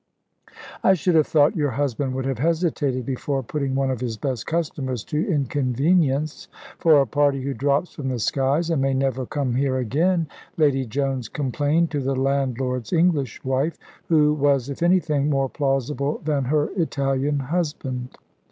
"I should have thought your husband would have hesitated before putting one of his best customers to inconvenience for a party who drops from the skies, and may never come here again," Lady Jones complained to the landlord's English wife, who was, if anything, more plausible than her Italian husband.